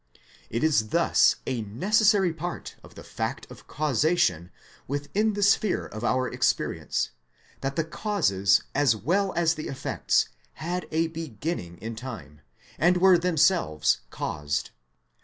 It is thus a ne cessary part of the fact of causation, within the sphere of our experience, that the causes as well as the effects had a beginning in time, and were themselves caused.